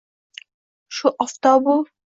Shu oftobu